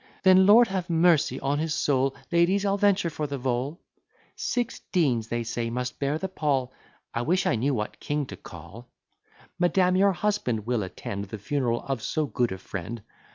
Then, Lord have mercy on his soul! (Ladies, I'll venture for the vole.) Six deans, they say, must bear the pall: (I wish I knew what king to call.) Madam, your husband will attend The funeral of so good a friend.